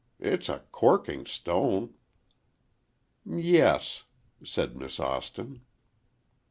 It's a corking stone!" "Yes," said Miss Austin.